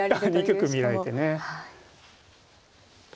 ２局見られてね。